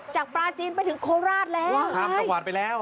จากปราจีนไปถึงโคราชแล้วว้าวข้ามสะกวาดไปแล้ว